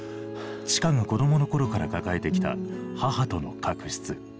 千佳が子供の頃から抱えてきた母との確執。